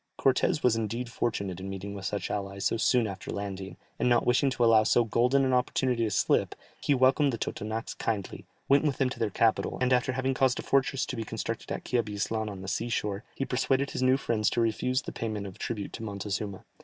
Cortès was indeed fortunate in meeting with such allies so soon after landing, and not wishing to allow so golden an opportunity to slip, he welcomed the Totonacs kindly, went with them to their capital, and after having caused a fortress to be constructed at Quiabislan on the sea shore, he persuaded his new friends to refuse the payment of tribute to Montezuma.